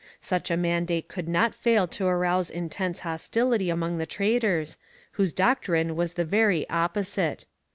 Such a mandate could not fail to rouse intense hostility among the traders, whose doctrine was the very opposite.